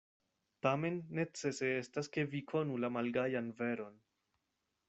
Tamen necese estas, ke vi konu la malgajan veron.